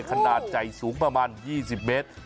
ขนาดใหญ่สูงประมาณ๒๐เมตร